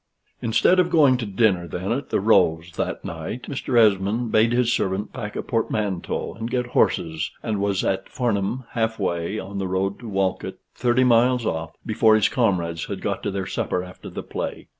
Instead of going to dinner then at the "Rose" that night, Mr. Esmond bade his servant pack a portmanteau and get horses, and was at Farnham, half way on the road to Walcote, thirty miles off, before his comrades had got to their supper after the play.